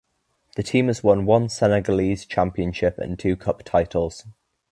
The team has won one Senegalese championship and two Cup titles.